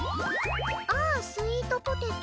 「ああ、スイートポテト。」